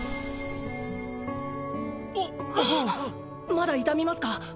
まだ痛みますか？